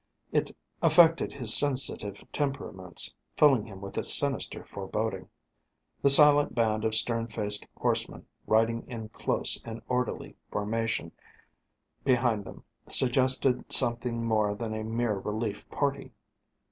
It affected his sensitive temperaments, filling him with a sinister foreboding. The silent band of stern faced horsemen riding in close and orderly formation behind them suggested something more than a mere relief party.